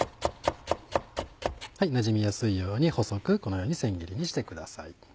なじみやすいように細くこのように千切りにしてください。